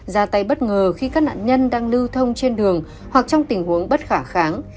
ra tay bất ngờ khi các nạn nhân đang lưu thông trên đường hoặc trong tình huống bất khả kháng